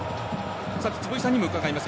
坪井さんにも伺います。